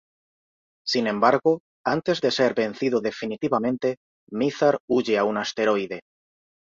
Sin embargo, antes de ser vencido definitivamente, Mizar huye a un asteroide.